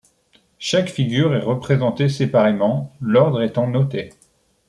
Chaque figure est représentée séparément, l'ordre étant noté.